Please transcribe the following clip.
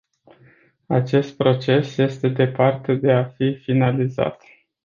Acest proces este departe de a fi finalizat.